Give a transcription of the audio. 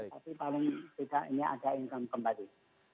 tapi paling tidak ini ada income kembali